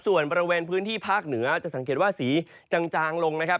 ส่วนบริเวณพื้นที่ภาคเหนือจะสังเกตว่าสีจางลงนะครับ